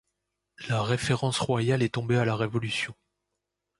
La référence royale est tombée à la Révolution.